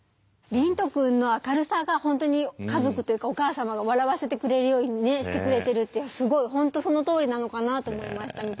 龍翔くんの明るさが本当に家族というかお母様を笑わせてくれるようにねしてくれてるってすごい本当そのとおりなのかなと思いました